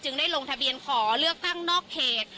ได้ลงทะเบียนขอเลือกตั้งนอกเขต